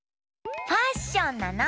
ファッションなの！